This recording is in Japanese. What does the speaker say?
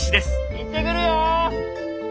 いってくるよ！